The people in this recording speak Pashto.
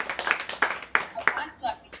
تاسو په نرمښت کولو بوخت یاست.